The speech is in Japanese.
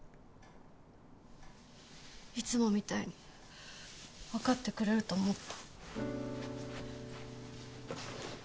いつもみたいにわかってくれると思った。